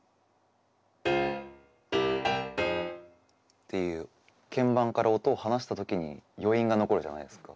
っていう鍵盤から音を離したときに余韻が残るじゃないですか。